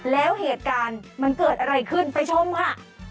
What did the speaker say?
แล้วเหตุการณ์มันเกิดอะไรขึ้นไปชมค่ะ